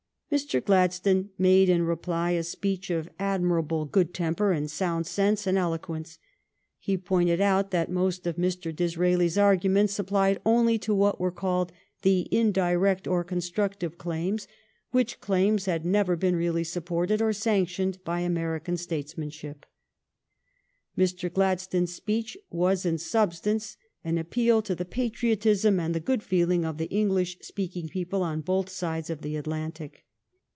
Mr. Gladstone made in reply a speech of admi rable good temper and sound sense and elo quence. He pointed out that most of Mr. Disraeli's 298 THE STORY OF GLADSTONE'S LIFE arguments applied only to what were called the indirect ur LUU>U"U(.tive cLuiii, . which l.■lailn^ liad never been really supported or s.inctioned by American statesmanship. Mr. GladstdiiL." \>i i'f h \v;i>. in substance, an appeal to the patriotism and the good feeling of the English speaking people on both sides of the Atlantic.